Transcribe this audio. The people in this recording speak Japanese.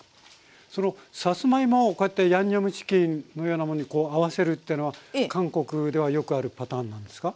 そのさつまいもをこうやってヤンニョムチキンのようなものに合わせるっていうのは韓国ではよくあるパターンなんですか？